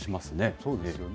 そうですよね。